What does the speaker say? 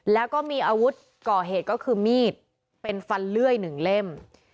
แล้วก็มีอาวุธก่อเหตุก็คือมีดเป็นฟันเลื่อยหนึ่งเล่ม